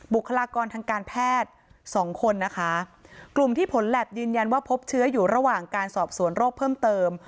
บุคลากรทางการแพทย์สองคนนะคะกลุ่มที่ผลแล็บยืนยันว่าพบเชื้ออยู่ระหว่างการสอบสวนโรคเพิ่มเติม